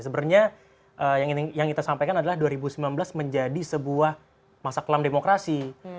sebenarnya yang kita sampaikan adalah dua ribu sembilan belas menjadi sebuah masa kelam demokrasi